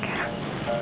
setelah rumah lagi